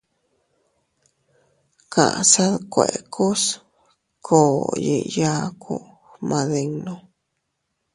Kaʼsa dkuekus koo yiʼi yaaku gmadinnu.